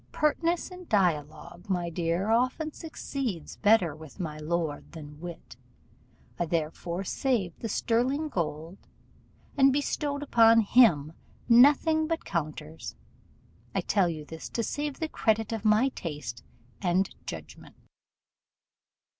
Pertness in dialogue, my dear, often succeeds better with my lord than wit: I therefore saved the sterling gold, and bestowed upon him nothing but counters. I tell you this to save the credit of my taste and judgment.